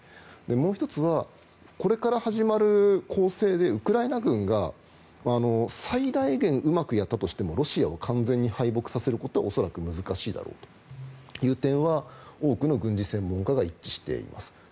もう１つはこれから始まる攻勢でウクライナ軍が最大限うまくやったとしてもロシアを完全に敗北させることは難しいだろうという点は多くの軍事専門家が一致しています。